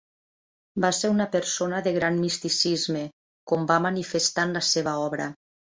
Va ser una persona de gran misticisme, com va manifestar en la seva obra.